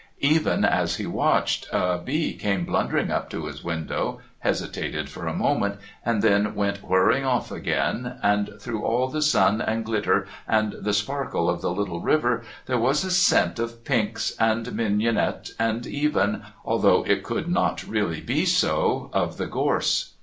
Even as he watched, a bee came blundering up to his window, hesitated for a moment, and then went whirring off again, and through all the sun and glitter and the sparkle of the little river there was a scent of pinks, and mignonette, and even, although it could not really be so, of the gorse.